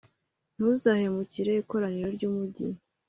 ntuzahemukire ikoraniro ry'umugi